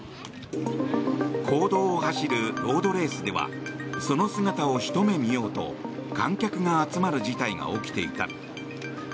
公道を走るロードレースではその姿をひと目見ようと観客が集まる事態が起きていた。